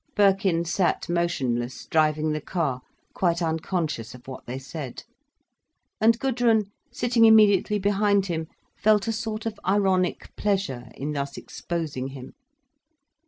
Birkin sat motionless, driving the car, quite unconscious of what they said. And Gudrun, sitting immediately behind him, felt a sort of ironic pleasure in thus exposing him.